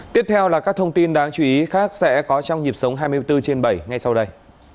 tiếp theo là các thông tin đáng chú ý khác sẽ có trong nhịp sống hai mươi bốn trên bảy ngay sau đây